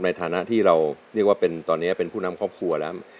ในฐานะที่เราตอนนี้เป็นผู้นำครอบครัวแล้ว